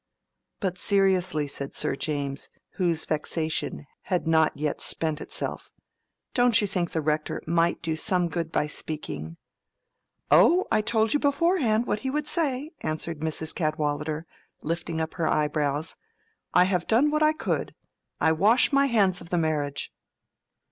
"But seriously," said Sir James, whose vexation had not yet spent itself, "don't you think the Rector might do some good by speaking?" "Oh, I told you beforehand what he would say," answered Mrs. Cadwallader, lifting up her eyebrows. "I have done what I could: I wash my hands of the marriage."